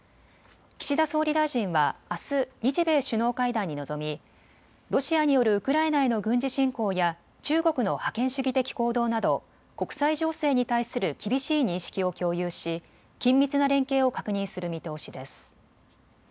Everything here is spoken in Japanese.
岸田総理大臣はあす日米首脳会談に臨み、ロシアによるウクライナへの軍事侵攻や中国の覇権主義的行動など国際情勢に対する厳しい認識を共有し緊密な連携を確認する見通しです。